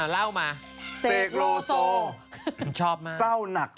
เล่ามา